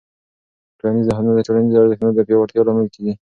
ټولنیز نهادونه د ټولنیزو ارزښتونو د پیاوړتیا لامل کېږي.